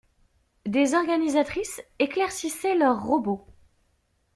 Des organisatrices éclaircissaient leurs robots.